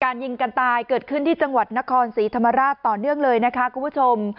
ยิงกันตายเกิดขึ้นที่จังหวัดนครศรีธรรมราชต่อเนื่องเลยนะคะคุณผู้ชม